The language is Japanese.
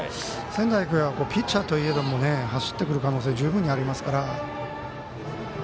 仙台育英はピッチャーといえども走ってくる可能性十分にありますから。